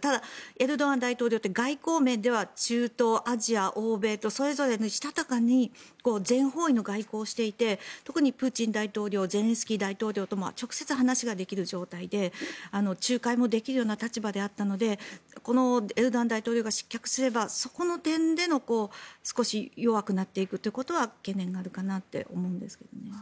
ただ、エルドアン大統領って外交面では中東、アジア、欧米とそれぞれしたたかに全方位の外交をしていて特にプーチン大統領ゼレンスキー大統領とも直接話ができる状態で仲介もできるような立場であったのでこのエルドアン大統領が失脚すればそこの点での少し弱くなっていくことは懸念があるかなって思うんですけどね。